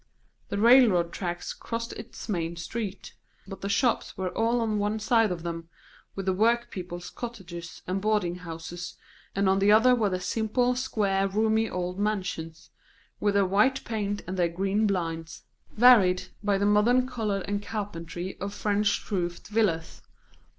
The railroad tracks crossed its main street; but the shops were all on one side of them, with the work people's cottages and boarding houses, and on the other were the simple, square, roomy old mansions, with their white paint and their green blinds, varied by the modern colour and carpentry of French roofed villas.